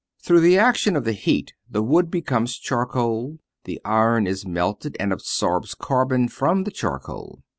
Through the action of the heat the wood becomes charcoal, the iron is melted and absorbs carbon from the charcoal.